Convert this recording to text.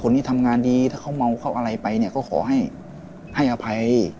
คนที่ทำงานดีถ้าเขาม้อกเข้าอะไรหมายไปก็ขอให้อภัย